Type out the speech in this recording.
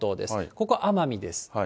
ここ奄美です。